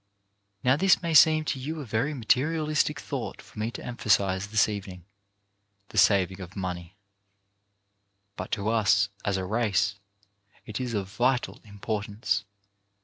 Now this may seem to you a very materialistic thought for me to emphasize this evening — the saving of money — but to us, as a race, it is of vital importance.